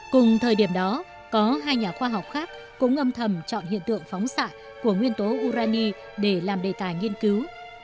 cùng thời điểm đó có hai nhà khoa học khác cũng âm thầm chọn hiện tượng phóng xạ của nguyên tố urani để làm đề tài nghiên cứu